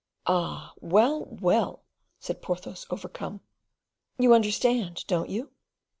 "Ah, well, well!" said Porthos, overcome. "You understand, don't you?"